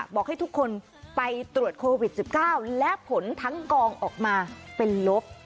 บอกให้ทุกคนไปตรวจโควิด๑๙และผลทั้งกองออกมาเป็นลบ